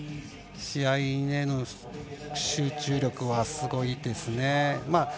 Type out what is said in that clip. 試合への集中力はすごいですね。